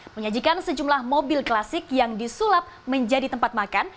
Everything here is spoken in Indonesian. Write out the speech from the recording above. menyajikan sejumlah mobil klasik yang disulap menjadi tempat makan